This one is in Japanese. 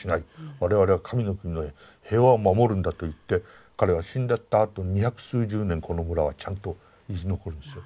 我々は神の国の平和を守るんだといって彼が死んじゃったあと二百数十年この村はちゃんと生き残るんですよ。